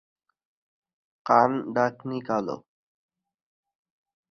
কান-ডাকনি কালো।